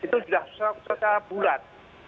itu sudah secara bulat